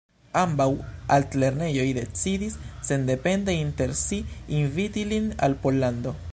Ambaŭ altlernejoj decidis sendepende inter si inviti lin al Pollando.